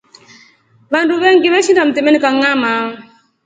Vandu vengi veshinda mtemeni kangʼama.